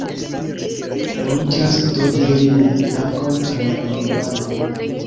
Urĝas do diri ne, dankon al la eŭropanoj.